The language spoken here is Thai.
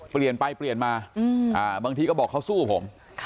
เปลี่ยนไปเปลี่ยนมาบางทีก็บอกเขาสู้ผม